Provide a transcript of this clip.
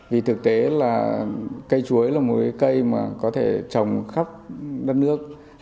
vì thực tế là cây chuối là một cây mà có thể trồng khắp đất nước